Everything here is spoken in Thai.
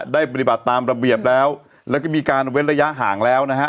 ปฏิบัติตามระเบียบแล้วแล้วก็มีการเว้นระยะห่างแล้วนะฮะ